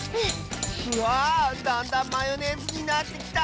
わあだんだんマヨネーズになってきた！